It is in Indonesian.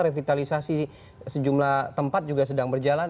revitalisasi sejumlah tempat juga sedang berjalan